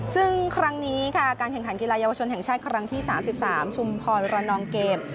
ซึ่งครั้งนี้ค่ะการแข่งขันกีฬาเยาวชนแห่งชาติครั้งที่๓๓ชุมพรระนองเกม